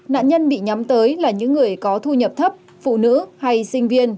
nạn nhân bị nhắm tới là những người có thu nhập thấp phụ nữ hay sinh viên